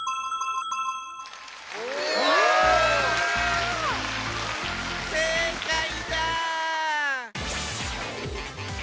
うわせいかいだ。